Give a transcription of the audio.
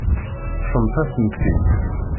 Teṭṭfemt-asen-t-id.